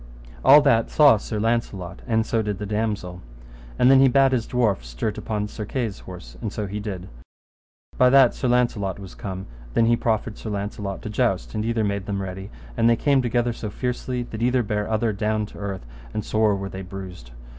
All that saw Sir Launcelot, and so did the damosel. And then he bade his dwarf stert upon Sir Kay's horse, and so he did. By that Sir Launcelot was come, then he proffered Sir Launcelot to joust; and either made them ready, and they came together so fiercely that either bare down other to the earth, and sore were they bruised.